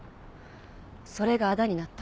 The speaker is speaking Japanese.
それがあだになった。